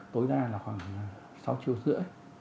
tối đa là khoảng sáu triệu rưỡi